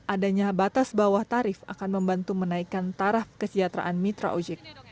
adanya batas bawah tarif akan membantu menaikkan tarif kesejahteraan mitra ojek